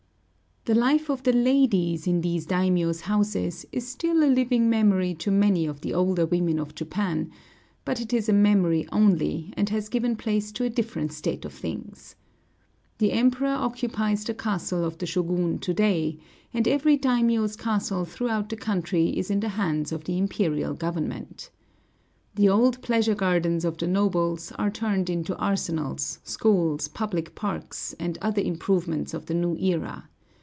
The life of the ladies in these daimiōs' houses is still a living memory to many of the older women of Japan; but it is a memory only, and has given place to a different state of things. The Emperor occupies the castle of the Shōgun to day, and every daimiō's castle throughout the country is in the hands of the imperial government. The old pleasure gardens of the nobles are turned into arsenals, schools, public parks, and other improvements of the new era.